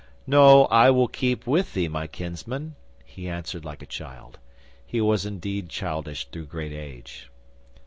'"No, I will keep with thee, my kinsman," he answered like a child. He was indeed childish through great age.